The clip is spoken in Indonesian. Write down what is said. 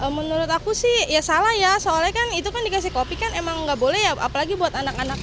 menurut aku sih ya salah ya soalnya kan itu kan dikasih kopi kan emang nggak boleh ya apalagi buat anak anak